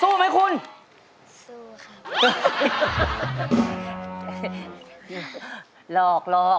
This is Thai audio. น้องคุณขออนุญาตครับ